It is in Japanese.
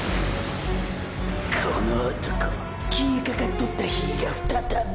この男消えかかっとった火が再び！！